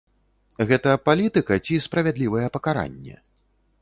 Гэта палітыка ці справядлівае пакаранне?